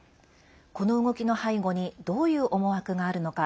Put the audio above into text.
この動きの背後にどういう思惑があるのか。